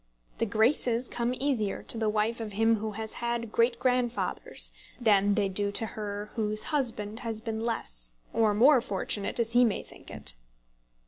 The graces come easier to the wife of him who has had great grandfathers than they do to her whose husband has been less, or more fortunate, as he may think it.